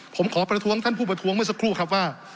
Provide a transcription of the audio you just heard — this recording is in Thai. ผมขอประท้วงท่านผู้ประท้วงเมื่อสักครู่ครับว่า